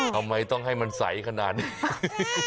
ทำไมต้องให้มันใสขนาดนี้